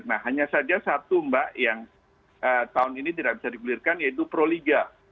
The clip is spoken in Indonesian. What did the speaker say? nah hanya saja satu mbak yang tahun ini tidak bisa digulirkan yaitu proliga